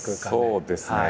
そうですね。